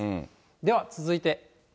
では続いて。